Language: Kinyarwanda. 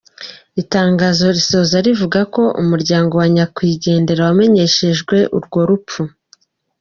Itangazo risoza rivuga ko umuryango wa nyakwigendera wamenyeshejwe urwo rupfu.